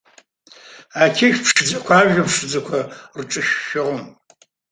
Ақьышә ԥшӡақәа ажәа ԥшӡақәа рҿышәшәон.